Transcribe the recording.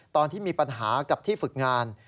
ตอนที่มีปัญหากับที่ฝึกงาน